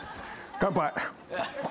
乾杯。